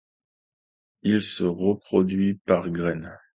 Il se reproduit par graines.